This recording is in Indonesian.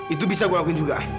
itu bisa gue lakukan juga